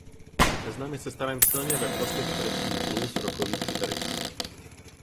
Seznam je sestaven silně ve prospěch amerických blues rockových kytaristů.